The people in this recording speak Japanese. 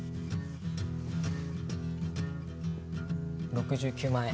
６９万円。